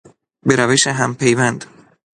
به روش همپیوند